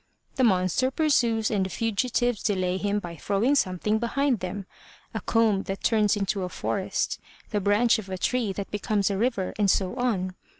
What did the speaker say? The monster pursues and the fugitives delay him by throwing something behind them, a comb that turns into a forest, the branch of a tree that becomes a river and so on.